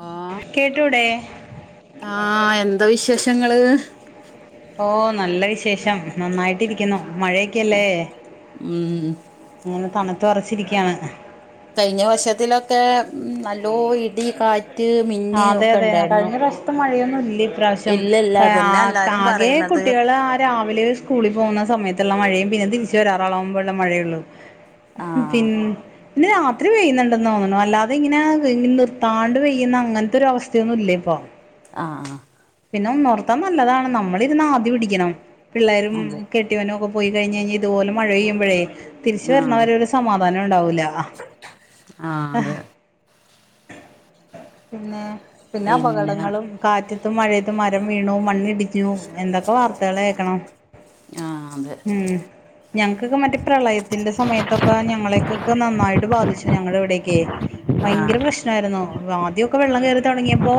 ആ കേട്ടൂടെ ആ എന്താ വിശേഷങ്ങള് ഓ നല്ല വിശേഷം നന്നായിട്ടിരിക്കുന്നു മഴയൊക്കെ അല്ലേ ഉം അങ്ങനെ തണുത്ത് വിറച്ചിരിക്കാണ് കഴിഞ്ഞ വർഷത്തിലൊക്കെ ഉം നല്ലോ ഇടി കാറ്റ് മിന്ന് ഒക്കെ ഉണ്ടായിരുന്നു ഇപ്പം മഴയൊന്നും ഇല്ല ഈ ഇപ്രാവശ്യം ഇല്ല ഇല്ല അതന്നെ കാ എല്ലാരും ആകെ പറയണത് കുട്ടികളാ രാവിലെ സ്കൂളിൽ പോകുന്ന സമയത്തുള്ള മഴയും പിന്നെ തിരിച്ച് വരാറാവുമ്പോള്ള മഴയുള്ളു ഉം ആഹ് പിന് പിന്നെ രാത്രി പെയ്യുന്നുണ്ടെന്ന് തോന്നുണു അല്ലാതെ ഇങ്ങനെ നിർത്താണ്ട് പെയ്യുന്ന അങ്ങനത്തൊരു അവസ്ഥയൊന്നും ഇല്ല ഇപ്പൊ ആഹ് ആഹ് പിന്നെ ഒന്നോർത്താ നല്ലതാണ് നമ്മളിരുന്ന് ആദി പിടിക്കണം പിള്ളേരും അതെ ഒക്കെ കെട്ടിവാനോ ഓക്കെ പോയിക്കഴിഞ്കഴിഞ്ഞ ഇത് പോലെ മഴ പെയ്യുമ്പഴേ തിരിച്ച് ആഹ് വരണവരെ ഒരു സമാധാനം ഉണ്ടാവൂല ആഹ് ആഹ് പിന്നെ പിന്നെ അപകടങ്ങളും കാറ്റത്തും, മഴയത്തും, മരം വീണു മണ്ണിടിഞ്ഞു എന്തൊക്കെ വാർത്തകൾ കേക്കണം [unintelligible] ആഹ് അതെ ഉം ഞങ്ങക്കൊക്കെ മറ്റേ പ്രളയത്തിന്റെ സമയത്തൊക്കെ ഞങ്ങളേക്കൊക്കെ നന്നായിട്ട് ബാധിച്ചു ഞങ്ങടെ ഇവിടെക്കേ ഭയങ്കര ആഹ് പ്രശ്നായിരുന്നു ആ വെള്ളം കേറി തോടങ്ങിയപ്പോ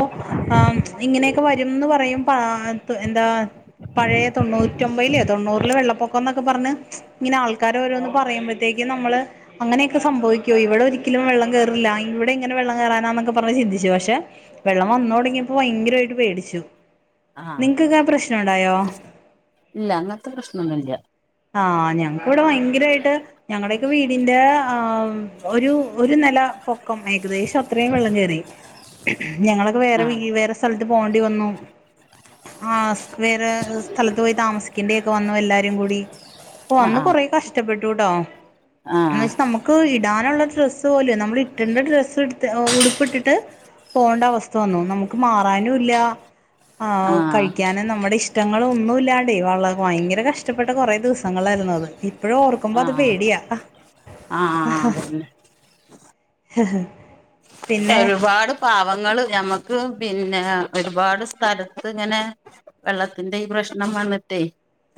ആമ് ഇങ്ങനെയൊക്കെ വരുംന്ന് പറയും പാത്ത് എന്താ പഴയെ തൊണ്ണൂറ്റൊമ്പയിലേ തൊണ്ണൂർല് വെള്ളപ്പൊക്കം എന്നൊക്കെ പറഞ് ഇങ്ങനെ ആൾക്കാര് ഓരോന്ന് പറയുമ്പോഴത്തേക്കും നമ്മള് അങ്ങനെയൊക്കെ സംഭവിക്കോ ഇവിടെ ഒരിക്കലും വെള്ളം കേറൂല്ല ഇവിടെ ഇങ്ങനെ വെള്ളം കെറാനാനോക്ക കൊറേ ചിന്തിച്ചു പക്ഷെ വെള്ളം വന്നോടങ്ങിയപ്പോ ഭയങ്കരോയിട്ടു പേടിച്ചു ആഹ് നിങ്ങക്കൊക്കെ ആ പ്രശ്നം ഉണ്ടായോ ഇല്ല അങ്ങനത്തെ പ്രശ്നൊന്നുല്ല ആഹ് ഞങ്ങക്ക് ഇവിടെ ഭയങ്കരായിട്ട് ഞങ്ങടെ വീടിന്റെ ആഹ് ഒരു ഒരു നല പൊക്കം ഏകദേശം അത്രയും വെള്ളം കേറി ഞങ്ങളൊക്കെ വേറെ വീ ആഹ് വേറെ സ്ഥലത്ത് പോണ്ടി വന്നു ആഹ് സ് വേറെ സ്ഥലത്ത് പോയി താമസിക്കേണ്ടി ഒക്കെ വന്നു എല്ലാരും കൂടി ഓഹ് ആഹ് അന്ന് ആഹ് കൊറേ കഷ്ടപ്പെട്ടൂട്ടോ എന്ന് ആഹ് വെച്ചാ നമുക്ക് ഇടാനുള്ള ഡ്രസ്സ് പോലു നമ്മൾ ഇട്ട്ണ്ട ഡ്രസ്സ് എടുത്ത് ഉടുപ്പിട്ടിട്ട് പോണ്ട അവസ്ഥ വന്നു നമുക്ക് മാറാനുല്ല ആഹ് കഴിക്കാന് നമ്മടെ ഇഷ്ടങ്ങളൊന്നുല്ലാണ്ടേ വള ഭയങ്കര കഷ്ടപ്പെട്ട കുറെ ദി സംങ്ങൾ ആയിരുന്നു അത് ഇപ്പഴും ഓർക്കുമ്പോ അത് ആഹ് പേടിയാ ആഹ് അതന്നെ ഹ ഹ ഒരുപാട് പാവങ്ങള് ഞമ്മക്ക് പിന്നെ ഒരുപാട് സ്ഥലത്ത് ഇങ്ങനെ വെള്ളത്തിന്റെ ഈ പ്രശ്നം വന്ന്ട്ടേ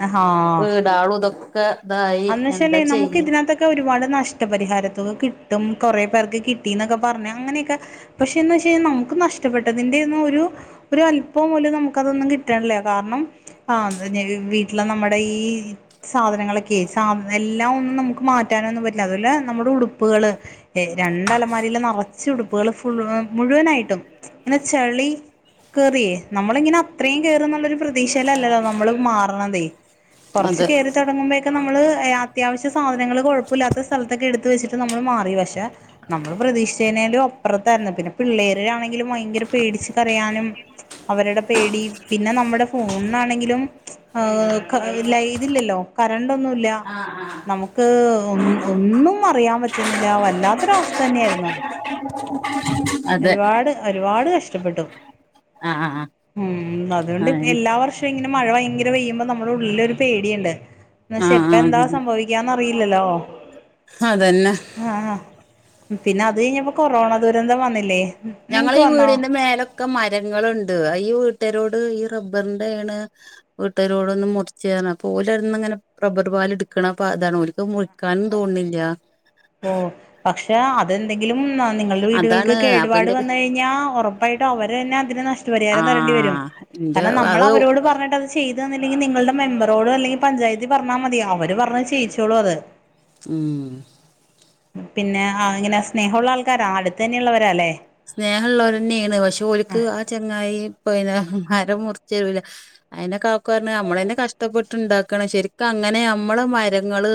ആഹ് വീടാളു ഇതൊക്ക ഇതായി എന്താ ചെയ്യല് ത് ഒരുപാട് നഷ്ടപരിഹാരത്തോക കിട്ടും കുറെ പേർക്ക് കിട്ടിന്നൊക്കെ പറഞ് അങ്ങനെക്ക പക്ഷേ എന്ന് വെച്ച് കഴിഞ്ഞാ നമുക്ക് നഷ്ടപ്പെട്ടതിന്റെ ഒന്നും ഒരു ഒരു അല്പം പോലും നമുക്ക് അതൊന്നും കിട്ടേൺല്ല കാരണം ആഹ് എന്താ ഞാ വീട്ടിലെ നമ്മടെ ഈ സാധനങ്ങളൊ ക്കെ സാധനം എല്ലാം ഒന്നും നമുക്ക് മാറ്റാനൊന്നും പറ്റില്ല അതുപോലെ നമ്മടെ ഉടുപ്പുകള് എ രണ്ട് അലമാരയില് നറച്ച് ഉടുപ്പുകൾ ഫുള്ളും മുഴുവനായിട്ടും ഇങ്ങനെ ചെളി കേറിയേ നമ്മളിങ്ങനെ അത്രയും കേറുന്നുള്ളൊരു പ്രതീക്ഷയിലല്ലല്ലോ നമ്മള് മാറണതേ കോറച്ച് അതെ കേറി തോടങ്ങുമ്പേ ക്ക് നമ്മള് എ അത്യാവശ്യ സാധനങ്ങൾ കോഴപ്പൊല്ലാത്ത സ്ഥലത്തൊക്കെ എടുത്ത് വെച്ചിട്ട് നമ്മൾ മാറി പക്ഷെ നമ്മൾ പ്രതീക്ഷിച്ചേനേലും അപ്പുറത്തായിരുന്നു പിന്നെ പിള്ളേര് ആണങ്കിലും ഭയങ്കര പേടിച്ച് കരയാനും അവര്ടെ പേടി പിന്നെ നമ്മുടെ ഫോണിനാണെങ്കിലും ആഹ് ക ലൈ ഇതില്ലല്ലോ കരണ്ട് ഒന്നുല്ലാ നമുക്ക് ഒന്ന് ഒന്നും അറിയാൻ പറ്റുന്നില്ല വല്ലാത്തൊരവസ്ഥ തന്നെ ആായിരുന്നു [unintelligible] ഒരുപാട് ഒരുപാട് കഷ്ടപ്പെട്ടു ആഹ് ആഹ് ആഹ് മം അതുകൊണ്ട് എല്ലാ വർഷോം ഇങ്ങനെ മഴ ഭയങ്കര പെയ്യുമ്പോ നമ്മളെ ഉള്ളിലൊരു പേടിയിണ്ട് എന്നശെ ഇപ്പ ആഹ് എന്താ അതന്നെ സംഭവിക്കാന്ന്റിയില്ലല്ലോ അതന്നെ ആഹ് ആഹ് പിന്നെ അത് കഴിഞ്ഞപ്പോ കൊറോണ ദുരന്തം വന്നില്ലേ നിങ്ങക്ക് ഞങ്ങളെ വന്നോ വീടിന്റെ മേലൊക്കെ മരങ്ങള്ണ്ട് ഈ വീട്ടാരോട് ഈ റബ്ബറിന്റെയണ് വീട്ടരോട് ഒന്ന് മുറിചേരാൻ അപ്പൊ ഓലന്ന് അങ്ങനെ റബർ പാല് എടുക്കണപ്പ താണ് ഓല്ക്ക് മുറി ക്കാനും തോൻ ണില്ല ഓഹ് പക്ഷ പക്ഷേ അതെന്തെങ്കിലും നിങ്ങൾടെ വീടുകൾക്ക് അതാണ് കേടുപാട് അപ്പന്റെ വന്ന് കഴിഞ്ഞാ ഒറപ്പായിട്ടും അവർ ന്നെ അതിന് നഷ് നഷ്ട പരിഹാരം തരേണ്ടി വരും ആഹ് ഇന്റെ കാരണം നമ്മൾ അത് അവരോട് പറഞ്ഞിട്ടത് ച്ചെ ചെയ്ത് തന്നില്ലെങ്കിൽ നിങ്ങൾ ടെ മെമ്പറോട് അല്ലെങ്കിൽ പഞ്ചായത്തിൽ പറഞ്ഞാ മതി അവർ പറഞ്ഞ് ചെയ്ച്ചോളൂ അത് ഉം പിന്നെ ആഹ് സ്നേഹോള്ള ആൾക്കാരാ അടുത്തന്നെയുള്ളവരാ ലെ സ്നേഹള്ളോരന്നെണ് പക്ഷെ ഓൽക്ക് ആഹ് ചങ്ങായി പിന്ന മരം മുറിച്ചരൂല അയിന്നെ കാക്കു നമ്മളന്നെ കഷ്ടപ്പെട്ട്ണ്ടാക്കണ് ശരിക്കും അങ്ങനെ നമ്മള് മരങ്ങള്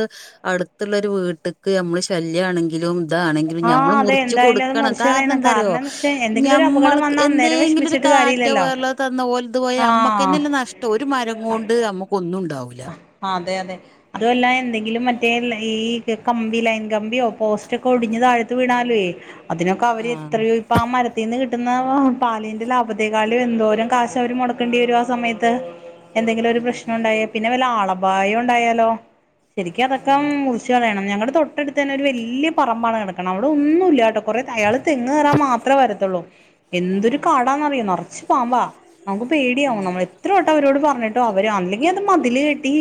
അടുത്തിള്ളൊരു വീട്ട്ക്ക് നമ്മള് ശല്യണെങ്കിലും ഇതാണെങ്കിലും ആഹ് നമ്മള് അതെ മുറിച്ചു എന്തായാലും അത് കൊടുക്കണം മുറിച്ച് കാര കളയണം എന്തറിയോ കാരണം എന്ന് വെച്ചാ എന്തെങ്കിലും ഒരു നമ്മള അപകടം വന്നാ അന്നേരം എന്തെങ്കിലും ഒരു വിഷമിച്ചിട്ട് കാറ്റൊ കാര്യല്ലല്ലോ വേ റലതൊ പോയ ആഹ് ഞമ്മക്കെല്ല നഷ്ടം ഒരു മരം കോണ്ട് നമുക്കൊന്നും ഉണ്ടാവൂല അതെ അതെ അതുഅല്ല എന്തെങ്കിലും മറ്റേ ഈ കമ്പി ലൈൻ കമ്പിയോ പോസ്റ്റൊക്കെ ഒടിഞ്ഞ് താഴത്ത് വീണാലുഏ അതിനൊക്കെ അവര് ആഹ് ഇത്രയു പ്പൊ ആ മരത്തിന്ന് കിട്ടുന്ന പാലിന്റെ ലാഭത്തെേക്കാളും എന്തോരം കാശ് അവര് മൊടക്കണ്ടി വരും ആ സമയത്ത് എന്തെങ്കിലു ഒരു പ്രശ്നം ഉണ്ടായ പിന്നെ വല്ല ആളപായം ഉണ്ടായാലോ? ശരിക്കു അതൊക്കെ കുറിച്ച് കളയണം ഞങ്ങടെ തൊട്ടടുത്തന്നെ ഒരു വല്യ പറമ്പാണ് കിടക്കണം അവിടെ ഒന്നും ഇല്യ ട്ടോ കൊറേ അയാള് തെങ്ങ് കേറാൻ മാത്രേ വരത്തുള്ളൂ എന്തൊരു കാടാന്നറിയോ നറച്ചു പാമ്പാ നമുക്ക് പേടിയാവും ആഹ് നമ്മള് എത്ര വട്ടം അവരോട് പറഞ്ഞിട്ടോ അവര് അല്ലെങ്കിൽ അത് മതില് കെ ട്ടി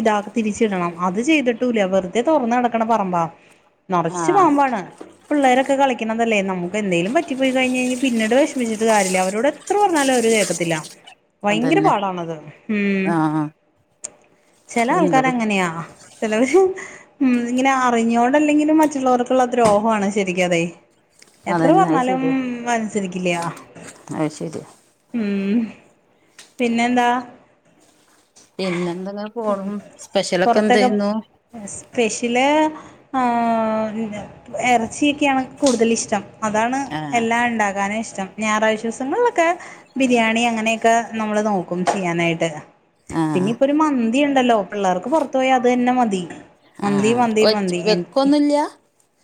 ഇതാക്കി തിരിച്ചിടണം അത് ചെയ്തിട്ടൂല വെറുതെ തുറന്ന് കെടക്കണ പറമ്പ നറച്ച് ആഹ് പാമ്പാണ് പിള്ളേരൊക്കെ കളിക് ക്കുന്നതല്ലേ നമുക്ക് എന്തേലുംപറ്റിപ്പോയി കഴിഞ്ഞയിഞ്ഞ പിന്നീട് വിഷമിച്ചട്ട് കാര്യില്ല അവരോട് എത് എത്ര പറഞ്ഞാലും അവര് കേക്കത്തില്ല ഭയങ്കര അതന്നെ പാടാണത് ഉം ആഹ് ചെല എന്താ ആൾക്കാര് അങ്ങനെയാ ചിലവര് ഉം ഇങ്ങനെ അറിഞ്ഞോണ്ടല്ലെങ്കിലും മറ്റുള്ളവർക്കുള്ള ദ്രോഹാണ് ശരിക്കതെ എത്ര അതന്നെ പറഞ്ഞാലും അനുസരിക്കില്യ അയ് ശരി ഉം പിന്നെന്താ? പിന്നെന്തെങ്ങെ പോണു സ്പെഷ്യലൊക്കെ പുറത്തൊക്കെ എന്തയ്യുന്നു സ്പെഷ്യല് എറച്ചിയൊക്കെയാണ് കൂടുതലിഷ്ടം അതാണ് ആഹ് എല്ലാം ഇണ്ടാകാനും ഇഷ്ടം ഞായറാഴ് ദിവസങ്ങളിലൊക്കെ ബിരിയാണി അങ്ങനെയൊക്കെ നമ്മള് നോക്കും ചെയ്യാനായിട്ട് പിന്നെ ആഹ് ഇപ്പൊ ഒരു മന്തി ഉണ്ടല്ലോ പിള്ളേർക്ക് പുറത്തു പോയി അത് തന്നെ മതി മന്തി ആഹ് മന്തി വെച്ച് മന്തി എനിക്ക് വെക്കൊന്നുല്ല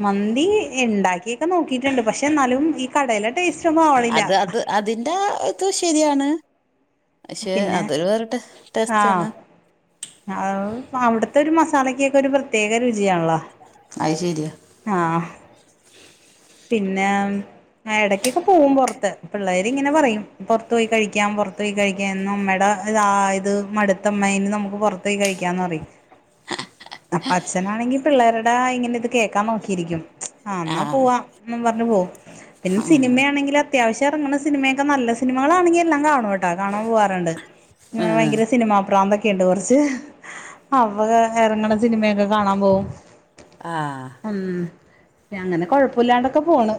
മന്തി ഇണ്ടാക്കിയൊക്കെ നോക്കിട്ടുണ്ട് പക്ഷെ ന്നാലും ഈ കടയിലെ ടേസ്റ്റൊന്നും ആവണില്ല അത് അത് അതിന്റെ ഇത് ശരിയാണ് പക്ഷെ പിന്നെ അതൊരു വേറെ ടേ ടേസ്റ്റണ് അഹ് അവിടുത്തൊരു മസാലക്കൊക്കെയൊരു പ്രത്യേക രുചിയാണല്ലോ? അയ് ശെരിയാ ആഹ് പിന്നേം ആ എടക്കക്കെ പോവും പൊറത്ത് പിള്ളേരിങ്ങനെ പറയും പൊറത്ത് പോയി കഴിക്കാം പൊറത്ത് പോയി കഴി എന്നുമ്മയുടെ താ ഇത് മടുത്തുമ്മേ ഇന്ന് നമുക്ക് പൊറത്തു പോയി കഴിക്കാന്ന് പറയും അപ്പ അച്ഛനാണെങ്കി പിള്ളേരുടെയിങ്ങനെയിത് കേക്കാ നോക്കിയിരിക്കും ആ ഇന്നാ ആഹ് പോവാന്നും പറഞ്ഞ് പോവും പിന്നെ ആഹ് സിനിമയാണെങ്കിലൊ അത്യാവിശ്യയിറങ്ങണ സിനിമയക്കെ നല്ല സിനമകളാണെങ്കിയെല്ലാം കാണു വേ ട്ടോ കാണാം പോവാറ്ണ്ട് ആഹ് ഭയങ്കര സിനിമാ പ്രാന്തെക്കെ യിണ്ട് കൊറച്ച് അപ്പത് എറങ്ങ്ണ സിനിമയൊക്കെ കാണാൻ പോകും ആഹ് ഉം അങ്ങനെ കൊഴപ്പുല്ലാണ്ടൊക്കെ പോണ്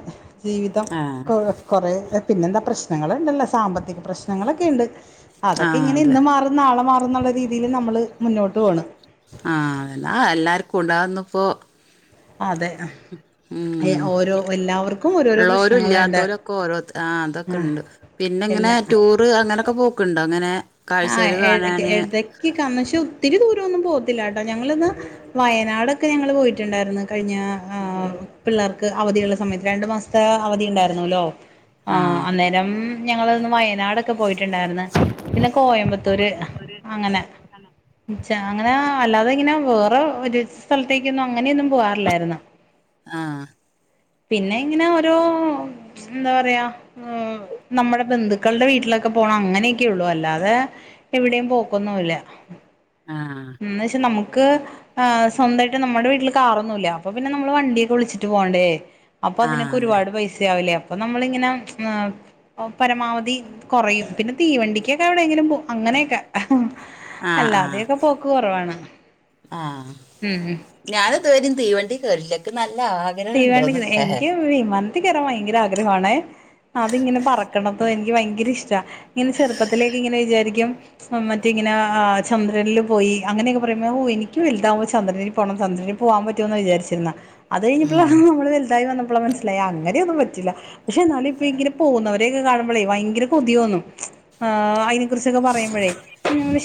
ജീവിതം ആഹ് കുറെ പിന്നെന്താ പ്രശ്നങ്ങള്ണ്ടല്ലോ സാമ്പത്തിക പ്രശ്നങ്ങളൊക്കെയ്ണ്ട് ആഹ് അതൊക്കെയിങ്ങനെ അതെ ആഹ് അതന്നെ ഇന്ന് മാറും നാളെ മാറന്നുള്ള രീതിയില് നമ്മള് മുന്നോട്ട് പോണ് ആ അതന്നെ അഹ് എല്ലാര്ക്കുണ്ട് അഹൊന്നുപ്പോ അതെന്നെ ഉം ഓരോരോ പ്രശ്നങ്ങളുണ്ട് ഇള്ളൊരുയില്ലാത്തോരൊക്കെ ഓരോത്ത ആ അതൊക്കെണ്ട് പിന്നങ്ങെനെ എല്ലാ ടൂറ് അങ്ങനൊക്കെ പോക്കുണ്ടോ ഇങ്ങനെ കാഴ്ചകല് കാണാന് ക്കി പക്ഷേ ഒത്തിരി ദൂരമൊന്നും പോവത്തില്ലാട്ടോ ഞങ്ങളിന്ന് വയനാടൊക്കെ ഞങ്ങള് പോയിട്ടുണ്ടായിരുന്നു കഴിഞ്ഞ ആ പിള്ളേർക്ക് അവധിയുള്ള സമയത്ത് രണ്ടു മാസത്തെ അവധിയുണ്ടായിരുന്നല്ലോ? ആ ആഹ് അന്നേരം ഞങ്ങളൊന്ന് വയനാടൊക്കെ പോയിട്ടുണ്ടായിരുന്നു പിന്നെ കോയമ്പത്തൂര് അങ്ങനെ ച്ച അങ്ങനെ അല്ലാതെയിങ്ങനെ വേറെ ഒരു സ്ഥലത്തേക്കൊന്നും അങ്ങനെയൊന്നും പോവാറില്ലായിരുന്നു ആ പിന്നെയിങ്ങനെ ഓരോ എന്താ പറയാ ഏഹ് നമ്മുടെ ബന്ധുക്കളുടെ വീട്ടിലൊക്കെ പോണം അങ്ങനെയെക്കെയൊള്ളൂ അല്ലാ തെ എവിടെയും പോക്കൊന്നുവില്ല ആഹാ എന്ന് വെച്ച് നമുക്ക് ആ സ്വന്തയിട്ട് നമ്മുടെ വീട്ടില് കാറൊന്നുവില്ല അപ്പൊ പിന്നെ നമ്മള് വണ്ടിയൊക്കെ വിളിച്ചിട്ട് പോണ്ടേ? ആ അതെ അപ്പതിനൊക്കെയൊരുപാട് പൈസയാവില്ലേ അപ്പ നമ്മളിങ്ങനെ പരമാവധി കൊറയും പിന്നെ തീവണ്ടിക്കെ വിടെങ്കിലും പോവും അങ്ങനെയെക്കെ ആ ആ അല്ലാതെയൊക്കെ പോക്ക് കൊറവാണ് ഉം ഞാനിതുവരിം തീവണ്ടി കേറീല്ല ഇങ്ക് നല്ല ആഗ്രഹണ്ട് തീവണ്ടിക്ക്ലെ എനിക്ക് വിമാനത്തി കയറാൻ ഭയങ്കരാഗ്രഹമാണേ അതിങ്ങനെ പറക്കണതും എനിക്ക് ഭയങ്കരയിഷ്ടാ ഇങ്ങനെ ചെറുപ്പത്തിലെക്കെങ്ങനെ വിചാരിക്കും മറ്റയിങ്ങനെ ആ ചന്ദ്രനില് പോയി അങ്ങനെയൊക്കെ പറയുമ്പോ ഓഹോ എനിക്ക് വലുതാവുമ്പോ ചന്ദ്രനില് പോണം ചന്ദ്രനില് പോവാൻ പറ്റൂന്നാ വിചാരിച്ചിരുന്നെ അത് കഴിഞ്ഞപ്പളാ ഉം നമ്മള് വലുതായി വന്നപ്പളാ മനസ്സി ലായി അങ്ങനെയൊന്നും പറ്റില്ല പക്ഷെയെന്നാലും ഇപ്പയിങ്ങനെ പോകുന്നവരെയൊക്കെ കാണുമ്പളേ ഭയങ്കര കൊതി തോന്നും ആ അയിനെ കുറിച്ചൊക്കെ പറയുമ്പഴേ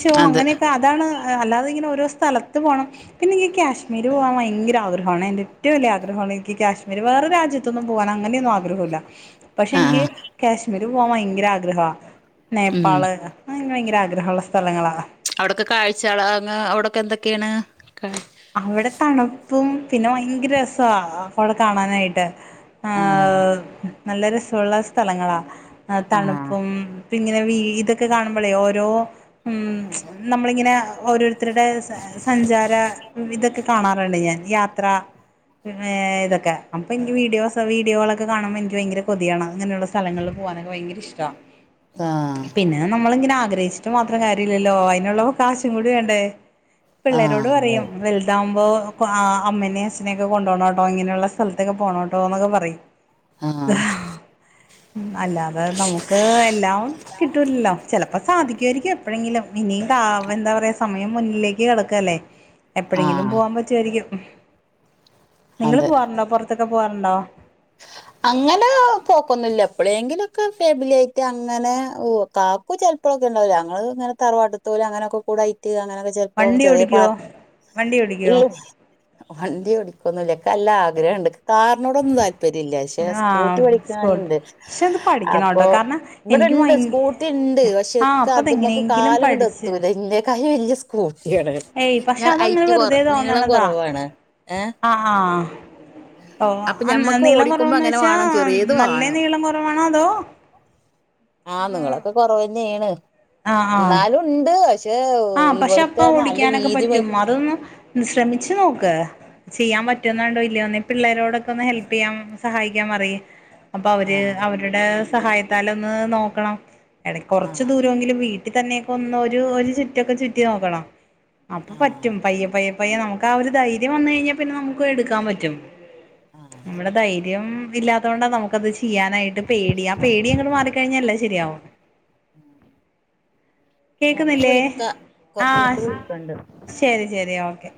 ഷോ അതെ അങ്ങനെയൊക്കെ ആദ്യ അതാണ് അല്ലാതെ ഇങ്ങനെ ഓരോ സ്ഥലത്ത് പോണം പിന്നെനിക്ക് കാശ്മീര് പോകാൻ ഭയങ്കര ആഗ്രഹമാണ് എന്റെ ഏറ്റവും വലിയ ആഗ്ര എനിക്ക് കാശ്മീർ വേറെ രാജത്തൊന്നും പോവാൻ അങ്ങനെയൊന്ന ആഗ്രഹവുല്ല പക്ഷെ ആ ആ എനിക്ക് കാശ്മീ ഇ പോകാൻ ഭയങ്കര ആഗ്രഹ ഉം നേപ്പാള് അങ്ങനെ ഭയങ്കര ആഗ്രഹമള്ള സ്ഥലങ്ങളാ അവിടൊക്കെ കാഴ്ചള്അ അവിടെൊക്കെ എന്തൊക്കെയാണ് അവിടെ തണുപ്പും പിന്നെ ഭയങ്കര രസാ വിടെ കാണാനായിട്ട് ആ ആഹ നല്ല രസമുള്ള സ്ഥലങ്ങളാ ആ തണുപ്പും ഇങ്ങനെ വീതൊക്കെ കാണുമ്പോളേ ഓരോ ഉ നമ്മളിങ്ങനെ ഓരോരു ത്തരുടെ സഞ്ചാര ഇതൊക്കെ കാണാറുണ്ട് ഞാൻ യാത്ര ഇതൊക്കെ അപ്പൊ എനിക്ക് വീഡിയോ വീഡിയോകൊക്കെ കാണുമ്പോഴ് എനിക്ക് ഭയങ്കര കൊതിയാണ് അങ്ങനെയുള്ള സ്ഥലങ്ങളിൽ പോകാനൊക്കെ ഭയങ്കര ഇഷ്ടാ ആഹ പിന്നെ നമ്മളിങ്ങനെ ആഗ്രഹിച്ചിട്ട് മാത്രം കാര്യമില്ലല്ലോ അതിനുള്ളവ കാശും കൂടി വേണ്ടേ ആ പിള്ളരോട് അതെ പറയും വലുതാകുമ്പോൾ അമ്മനേ അച്ഛനെയൊക്കെ കൊണ്ടു പോോണം കേട്ടോ ഇങ്ങനെയുള്ള സ്ഥലത്തൊക്കെ പോകണം കേട്ടോ എന്നൊക്കെ പറയും ആ അല്ലാതെ നമുക്ക് എല്ലാം കിട്ടൂില്ലല്ലോ ചിലപ്പോ സാധിക്കുവായിരിക്കും എപ്പോഴെങ്കിലും ഇനിയുംാവ എന്താ പറയാ സമയം മുന്നിലേക്ക് കിടക്കല്ലേ ആ എപ്പോഴെങ്കിലും പോവാൻ പറ്റുവമായിരിക്കും നിങ്ങള് അതെ പോവാറുണ്ടോ പുറത്തൊക്കെ പോവാറുണ്ടോ അങ്ങനെ പോക്കൊന്നില്ല എപ്പോഴെങ്കിലുംൊക്കെ ഫാമിലിയിട്ട് അങ്ങനെ ഓ ചിലപ്പോഴൊക്കെണ്ടാവില്ല അഞങ്ങള്ങ്ങന തറവാ ട്ടത്തോര് അങ്ങനൊക്കെ കൂ ടി ആയിട്ട് അങ്ങനെ ക്കെ ചെല് പ്പോ പോകും വണ്ടി ചെറിയ ഓടിക്കുവോ പാർക്ക് വണ്ടി ഇൽ ഓടിക്കുവോ വണ്ടി ടിക്കൊന്നക്കെ അല്ല ആഗ്രഹംുണ്ട് കാർണോട ൊന്നും താല്പര്യം ഇല്ല പക്ഷെ സ്കൂട്ടി ആഹ് സ്കൂൾ പഠിക്കാനുണ്ട് പക്ഷെ അത് പഠിക്കണം അപ്പൊ കേട്ടോ കാരണം എനിക്ക് ഇവിടെണ്ട് ഭയ സ്കൂട്ടി ഉണ്ട് ആഹ് പക്ഷെക്കെ അപ്പത് അത്മക്ക് എങ്ങനെയെങ്കിലും കാല് ങ്ങട് പഠിച്ച് എത്തുല എന്നെക്കാളു വലിയ സ് സ്കൂട്ടിയാണ് ഏയ് പക്ഷെ ഞാൻ ഐറ്റ് കൊറ നീളം കുറവാണ് ഏഹ് ആഹ ആഹ ഓ അപ്പൊ അന്ന് ഞമ്മക്ക് നീളം ഓടിക്കുമ്പോ കുറവന്ന് അങ്ങനെ വെച്ചാ വേണം ചെറിയത് നല്ല വേണം നീളം കുറവാണോ അതോ ആഹ നിങ്ങളൊക്കെ കൊറവന്നെയണ് എന്നാലും ഉണ്ട് ആഹ പക്ഷെ ഇവിടുത്തെ അപ്പാ നല്ല ഓടിക്കാനൊക്കെ വീതി വ പറ്റും അതൊന്ന് ശ്രമിച്ചു നോക്ക് ചെയ്യാൻ പറ്റോന്നാണ്ടോ ഇല്ലയോന്ന്േ പിള്ളേരോടൊക്കെ ഒന്ന് ഹെൽപ് ചെയ്യാൻ സഹായിക്കാൻ പറി അപ്പൊ അവര് ആഹ് അവരുടെ സഹായത്താൽ ഒന്ന് നോക്കണം എ കുറച്ച് ആഹ് ദൂരയെങ്കിലും വീ ചട്ടി തന്നെയൊക്കെ ഒന്ന് ചുറ്റിയൊക്കെ ചുറ്റി നോക്കണം അപ്പൊ ആഹ് പറ്റും പയ്യെ പയ്യെ പ്പെയ്യനമുക്ക് ആ ഒരു ധൈര്ംവന്നു കഴിഞ്ഞാൽ പിന്നെ നമുക്ക് എടുക്കാൻ പറ്റും ആഹ് നമ്മള് ധൈര്യം ഇല്ലാത്തൊണ്ടാ നമുക്കത് ചെയ്യാനായ് ് പേടി ആ പേടി അങ്ങട് മാറിക്കഴിഞ്ഞാൽ എല്ലാം ശരിയാവും കേക്കുന്നില്ലേ കുറച്ച് ആഹ് കഴിഞ്ഞ് വിളിക്കണ്ട് ശരി ശരി ഓക്കെ